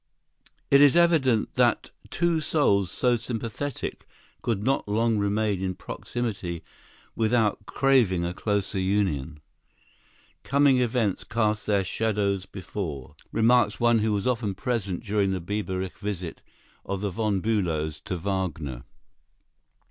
It is evident that two souls so sympathetic could not long remain in proximity without craving a closer union. "Coming events cast their shadows before," remarks one who often was present during the Biebrich visit of the Von Bülows to Wagner.